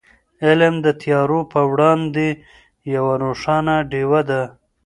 علم د تیارو په وړاندې یوه روښانه ډېوه ده.